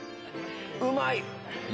うまい！